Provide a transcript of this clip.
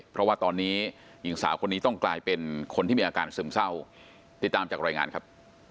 เพราะว่าตอนนี้หญิงสาวคนนี้ต้องกลายเป็นคนที่มีอาการซึมเศร้าติดตามจากรายงานครับ